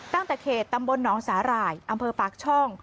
ตั้งแต่เขตตำบลหนองสาหร่ายอำเภอปากช่อง